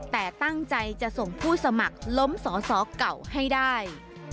แต่ตั้งใจจะส่งผู้สมัครล้มสอสอเก่าให้ได้